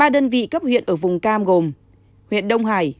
ba đơn vị cấp huyện ở vùng cam gồm huyện đông hải